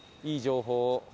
いい情報を。